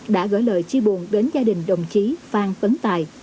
đã gửi lời chia buồn đến gia đình đồng chí phan tấn tài